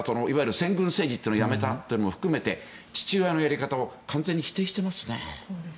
先軍政治をやめたということを含めて父親のやり方を完全に否定していますね。